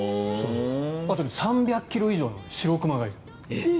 あと３００ｋｇ以上の白熊がいる。